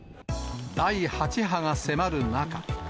第８波が迫る中。